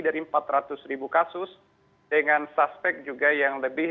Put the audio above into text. dari empat ratus ribu kasus dengan suspek juga yang lebih